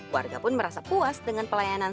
warga pun merasa puas dengan pelayanan